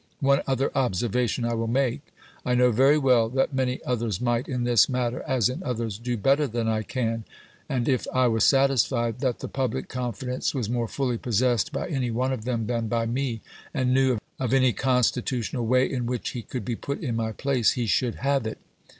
One other observation I will make. I know very well that many others might, in this matter as in others, do better than I can ; and if I was satisfied that the public confidence was more fully possessed by any one of them than by me, and knew of any constitutional way in which he could be put in my place, he should have it.